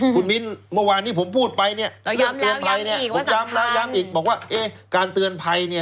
คุณมินทร์เมื่อวานที่ผมพูดไปเนี้ยเราย้ำแล้วย้ำอีกว่าสัมภัณฑ์ย้ำแล้วย้ำอีกบอกว่าเอ๊การเตือนภัยเนี้ย